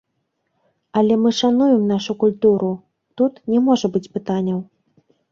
Але мы шануем нашу культуру, тут не можа быць пытанняў.